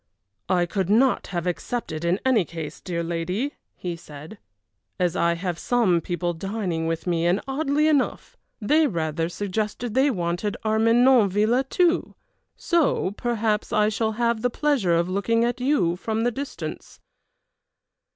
"I could not have accepted in any case, dear lady," he said, "as I have some people dining with me, and, oddly enough, they rather suggested they wanted Armenonville too, so perhaps I shall have the pleasure of looking at you from the distance."